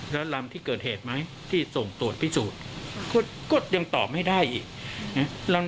แล้วลำที่เกิดเหตุไหมที่ส่งตรวจพิสูจน์ก็ยังตอบไม่ได้อีกนะ